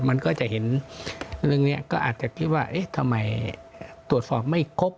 มันก็จะเห็นเรื่องนี้ก็อาจจะคิดว่าเอ๊ะทำไมตรวจสอบไม่ครบ